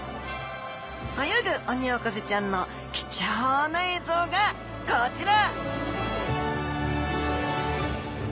泳ぐオニオコゼちゃんの貴重な映像がこちら！